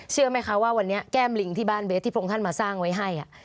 เชื่อไหมคะว่าวันนี้แก้มลิงที่บ้านเบสที่พระองค์ท่านมาสร้างไว้ให้